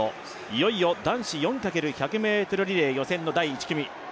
いよいよ男子４×１００ｍリレー予選の第１組。